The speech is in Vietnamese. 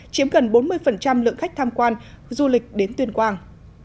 chiếm gần bốn mươi lượng khách tham quan du lịch đến tuyên quang